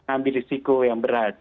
ambil risiko yang berat